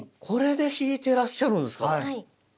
これで弾いてらっしゃるんですか。